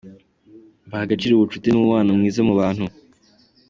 Baha agaciro ubucuti n’umubano mwiza mu bantu.